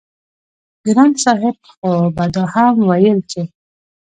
ګران صاحب خو به دا هم وييل چې